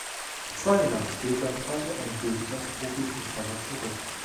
Zwei Jahre später trat er endgültig als Profifußballer zurück.